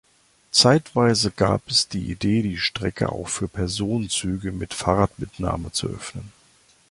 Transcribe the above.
Zeitweise gab es die Idee, die Strecke auch für Personenzüge mit Fahrradmitnahme zu öffnen.